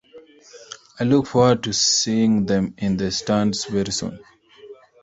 I look forward to seeing them in the stands very soon.